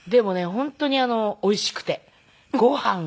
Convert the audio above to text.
本当においしくてご飯が。